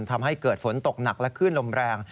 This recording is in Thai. ทำให้เกิดฝนตกหนักและคลื่นลมแรง